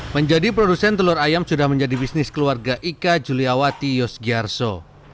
menjadi produsen telur ayam sudah menjadi bisnis keluarga ika juliawati yosgiarso